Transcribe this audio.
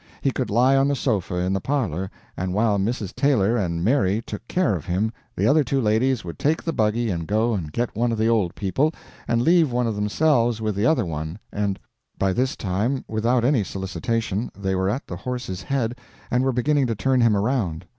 He could lie on the sofa in the parlor, and while Mrs. Taylor and Mary took care of him the other two ladies would take the buggy and go and get one of the Old People, and leave one of themselves with the other one, and By this time, without any solicitation, they were at the horse's head and were beginning to turn him around.